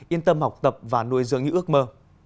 yên tâm học tập và nuôi dưỡng những ước mơ